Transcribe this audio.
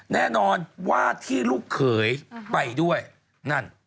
แน่นอนว่าที่ลูกเขยไปด้วยนั่น